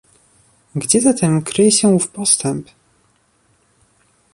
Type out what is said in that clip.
Gdzie zatem kryje się ów postęp?